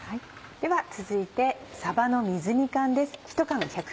では続いてさばの水煮缶です。